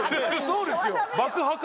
そうですよ。